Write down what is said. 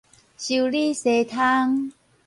修理紗窗